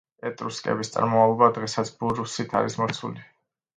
ეტრუსკების წარმომავლობა დღესაც ბურუსით არის მოცული.